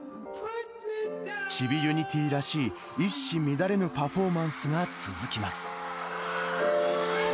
チビユニティーらしい、一糸乱れぬパフォーマンスが続きます。